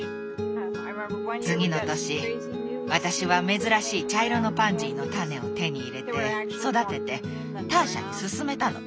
次の年私は珍しい茶色のパンジーの種を手に入れて育ててターシャにすすめたの。